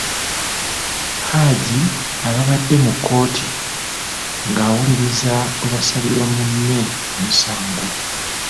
Hajji abaabadde mu kkooti, ng'awuliririza bwe basalirira munne omusango.